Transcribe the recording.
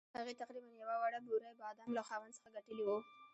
هغې تقریباً یوه وړه بورۍ بادام له خاوند څخه ګټلي وو.